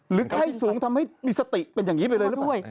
ไข้สูงทำให้มีสติเป็นอย่างนี้ไปเลยหรือเปล่า